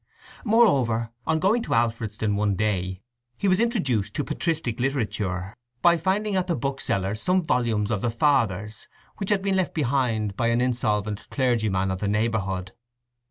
Moreover, on going into Alfredston one day, he was introduced to patristic literature by finding at the bookseller's some volumes of the Fathers which had been left behind by an insolvent clergyman of the neighbourhood.